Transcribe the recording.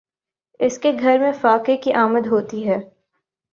اس کے گھر میں فاقے کی آمد ہوتی ہے